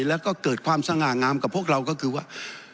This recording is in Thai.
แล้วก็เกิดความสง่างามกับพวกเราก็คือว่า